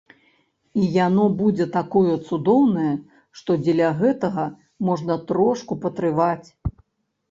І яно будзе такое цудоўнае, што дзеля гэтага можна трошку патрываць.